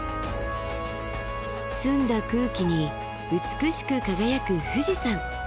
澄んだ空気に美しく輝く富士山。